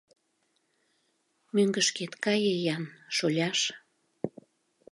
— Мӧҥгышкет кае-ян, шоляш!